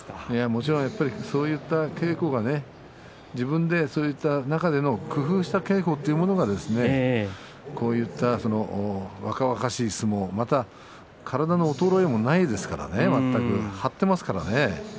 もちろんそういった稽古がね自分で工夫した稽古というのがこういった若々しい相撲また体の衰えもないですからね張っていますからね。